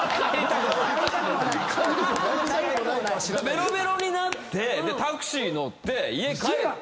ベロベロになってでタクシー乗って家帰って。